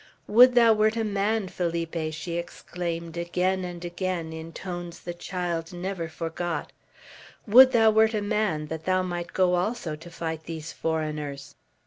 "Would thou wert a man, Felipe," she exclaimed again and again in tones the child never forgot. "Would thou wert a man, that thou might go also to fight these foreigners!"